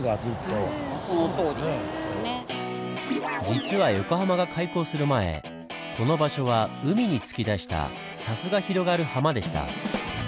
実は横浜が開港する前この場所は海に突き出した砂州が広がるハマでした。